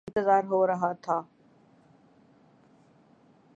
انتظار ہو رہا تھا